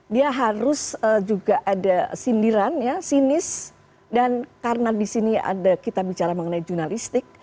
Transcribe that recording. dia harus juga ada sindiran ya sinis dan karena di sini ada kita bicara mengenai jurnalistik